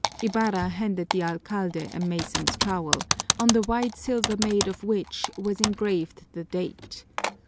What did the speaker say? Ibarra handed the alcalde a mason's trowel, on the wide silver Made of which was engraved the date.